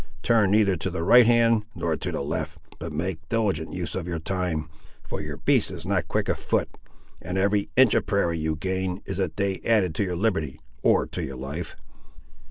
Turn neither to the right hand, nor to the left, but make diligent use of your time, for your beast is not quick of foot, and every inch of prairie you gain, is a day added to your liberty, or to your life."